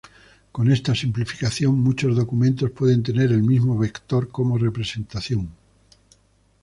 Con esta simplificación muchos documentos pueden tener al mismo vector como representación.